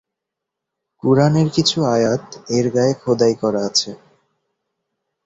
কুরআনের কিছু আয়াত এর গায়ে খোদাই করা আছে।